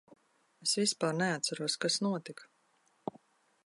Es vispār neatceros, kas notika.